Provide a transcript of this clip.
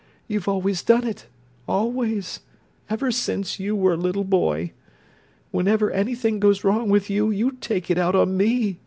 You've always done it—always—ever since you were a little boy! Whenever anything goes wrong with you, you take it out on me!